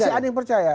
masih ada yang percaya